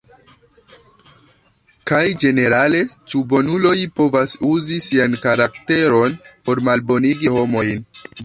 Kaj ĝenerale, ĉu bonuloj povas uzi sian karakteron por malbonigi homojn?